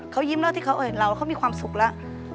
เขายิ้มแล้วที่เขาเอ่ยเราเขามีความสุขแล้ว